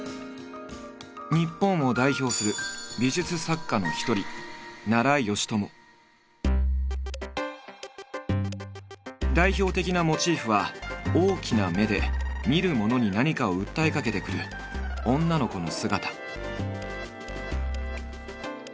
日本を代表する美術作家の一人代表的なモチーフは大きな目で見る者に何かを訴えかけてくる女の子の姿。